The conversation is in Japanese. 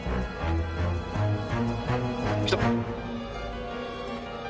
来た。